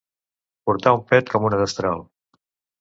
Portar un pet com una destral.